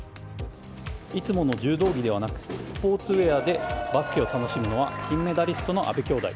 いつもの柔道着ではなくスポーツウェアでバスケを楽しむのは金メダリストの阿部兄妹。